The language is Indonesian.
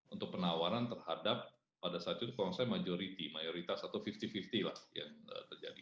untuk penawaran terhadap pada saat itu kalau misalnya majority mayoritas atau lima puluh lima puluh lah yang terjadi